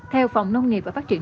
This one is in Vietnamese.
theo phòng nông nghiệp và phát triển